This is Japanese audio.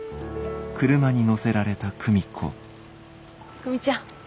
久美ちゃん